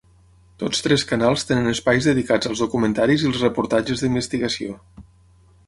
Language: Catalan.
Tots tres canals tenen espais dedicats als documentaris i els reportatges d’investigació.